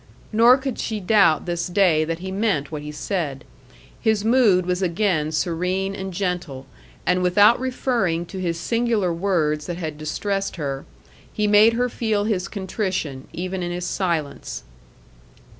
Nor could she doubt this day that he meant what he said. His mood was again serene and gentle, and without referring to his singular words that had distressed her, he made her feel his contrition, even in his silence.